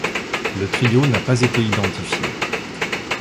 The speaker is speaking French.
Le trio n'a pas été identifié.